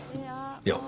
いや。